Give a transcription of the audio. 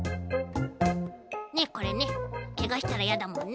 ねっこれねけがしたらやだもんね。